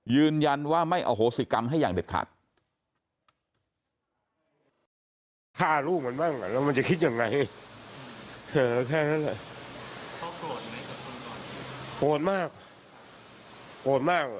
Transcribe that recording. ยืนยันว่าไม่อโหสิกรรมให้อย่างเด็ดขาด